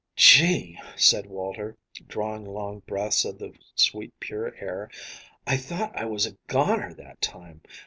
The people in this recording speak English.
"Gee!" said Walter, drawing long breaths of the sweet, pure air, "I thought I was a goner that time.